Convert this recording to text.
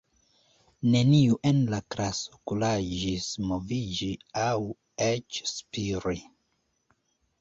Neniu en la klaso kuraĝis moviĝi aŭ eĉ spiri.